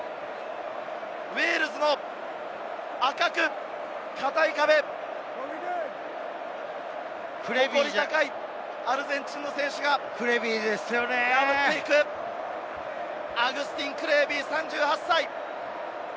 ウェールズの赤く高い壁、誇り高いアルゼンチンの選手、アグスティン・クレービー、３８歳。